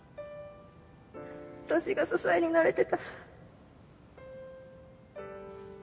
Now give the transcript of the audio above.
私が支えになれてたら。